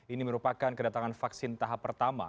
ini merupakan kedatangan vaksin tahap pertama